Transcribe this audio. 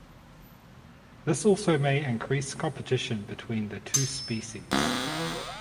This also may increase competition between the two species.